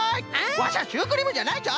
ワシャシュークリームじゃないぞ！